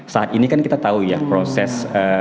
saat ini kan kita tahu ya proses